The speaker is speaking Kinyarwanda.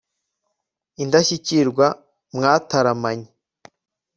indashyikirwa mwataramanye